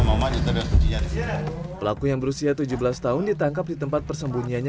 mama kita bebas kecilnya pelaku yang berusia tujuh belas tahun ditangkap di tempat persembunyiannya